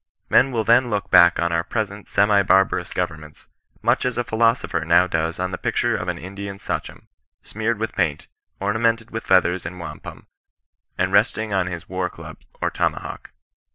Men will then look back on our present semi barbarous governments, much as a philosopher now does on the picture of an Indian Sachom, smeared with paint, ornamented with feathers and wampum, and resting on his war club or tomahawk.